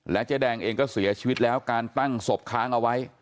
เจ๊แดงเองก็เสียชีวิตแล้วการตั้งศพค้างเอาไว้